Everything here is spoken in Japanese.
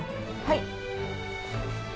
はい。